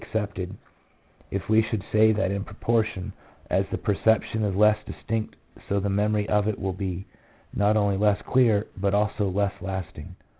63 accepted if we should say that in proportion as the perception is less distinct so the memory of it will be not only less clear, but also less lasting.